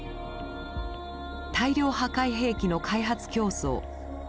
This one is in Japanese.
大量破壊兵器の開発競争。